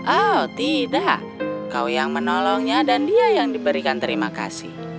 oh tidak kau yang menolongnya dan dia yang diberikan terima kasih